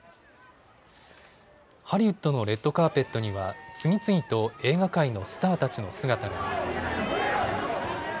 ハリウッドのレッドカーペットには次々と映画界のスターたちの姿が。